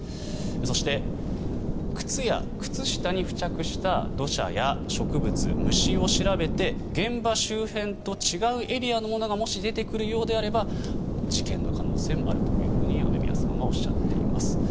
そして、靴や靴下に付着した土砂や植物、虫を調べて現場周辺と違うエリアのものがもし出てくるようであれば事件の可能性もあると雨宮さんはおっしゃっています。